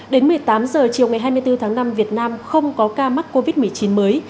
đến một mươi tám h chiều ngày hai mươi bốn tháng năm việt nam không có ca mắc covid một mươi chín mới